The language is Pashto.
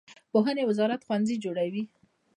پوهنې وزارت ښوونځي جوړوي